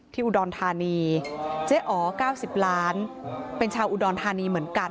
อุดรธานีเจ๊อ๋อ๙๐ล้านเป็นชาวอุดรธานีเหมือนกัน